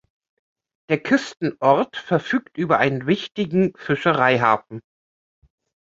Der Küstenort verfügt über einen wichtigen Fischereihafen.